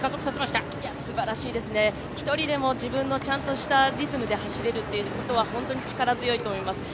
すばらしいですね、１人でも自分のちゃんとしたリズムで走れるということはホントに力強いと思います。